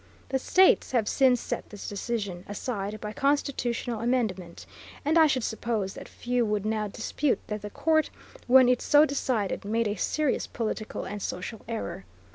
The states have since set this decision aside by constitutional amendment, and I should suppose that few would now dispute that the Court when it so decided made a serious political and social error.